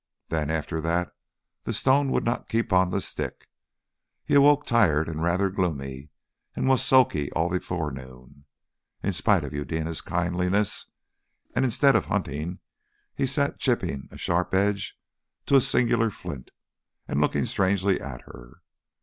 Then after that the stone would not keep on the stick. He awoke tired and rather gloomy, and was sulky all the forenoon, in spite of Eudena's kindliness, and instead of hunting he sat chipping a sharp edge to the singular flint, and looking strangely at her.